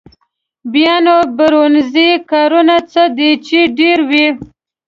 بیا نو برونزي کارونه څه دي چې ډېر وو.